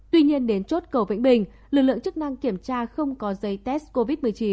tuy nhiên đến chốt cầu vĩnh bình lực lượng chức năng kiểm tra không có giấy test covid một mươi chín